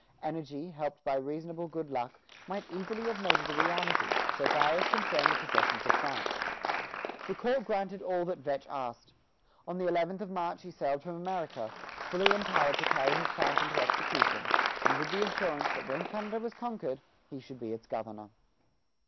Energy, helped by reasonable good luck, might easily have made it a reality, so far as concerned the possessions of France. The court granted all that Vetch asked. On the eleventh of March he sailed for America, fully empowered to carry his plans into execution, and with the assurance that when Canada was conquered, he should be its governor.